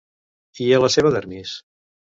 I a la seva dermis?